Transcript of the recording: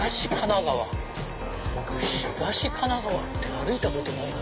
僕東神奈川歩いたことないな。